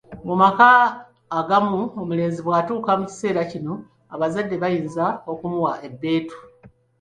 Mu maka agamu omulenzi bwatuuka mu kiseera kino abazadde bayinza okumuwa ebbeetu.